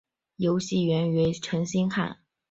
游戏源于陈星汉在南加州大学时期的一篇研究论文。